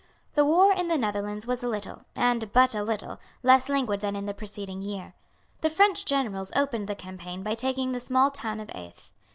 The war in the Netherlands was a little, and but a little, less languid than in the preceding year. The French generals opened the campaign by taking the small town of Aeth.